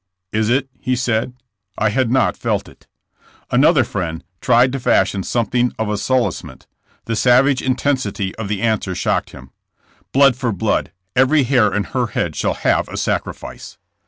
'Is it,' he said; 'I had not felt it.' Another friend, tried to fashion something of a solacement. The savage intensity of the answer shocked him: 'Blood for blood; every hair in her head shall have a sacrifice!'